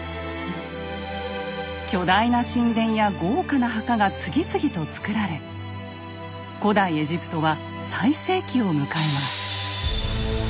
巨大な神殿や豪華な墓が次々とつくられ古代エジプトは最盛期を迎えます。